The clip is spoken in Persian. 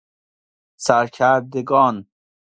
سرکردگان